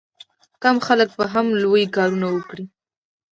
کم خلک به هم لوی کارونه وکړي.